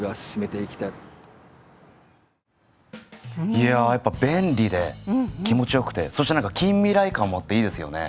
いややっぱ便利で気持ちよくてそして何か近未来感もあっていいですよね。